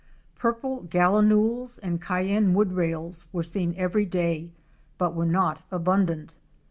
Purple Gallinules and Cayenne Wood Rails" were seen every day but were not abundant.